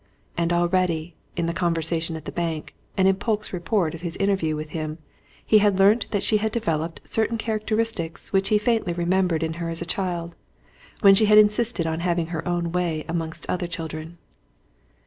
And already, in the conversation at the bank, and in Polke's report of his interview with him, he had learnt that she had developed certain characteristics which he faintly remembered in her as a child, when she had insisted on having her own way amongst other children.